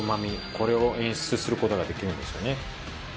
これを演出することができるんですよね